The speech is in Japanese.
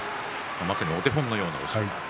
まさにお手本のような押し方。